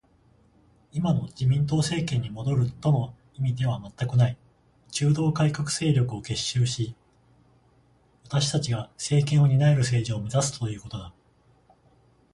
今の自民党政権に戻るとの意味では全くない。中道改革勢力を結集し、私たちが政権を担える政治を目指すということだ